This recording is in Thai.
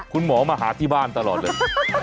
คุณหมอมาหาที่บ้านตลอดเลย